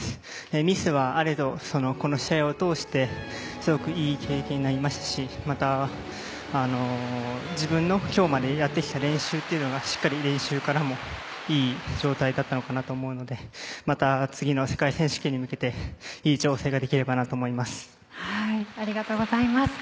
ミスはあれど、この試合を通してすごくいい経験になりましたし自分の今日までやってきた練習がしっかり練習からもいい状態だったのかなと思うのでまた、次の世界選手権に向けていい調整ができればなと思います。